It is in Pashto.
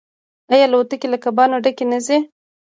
آیا الوتکې له کبانو ډکې نه ځي؟